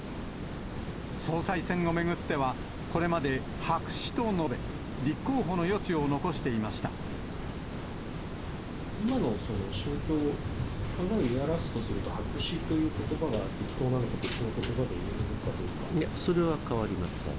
総裁選を巡っては、これまで白紙と述べ、今の心境、言い表すとすると、白紙ということばが適当なのか、それは変わりません。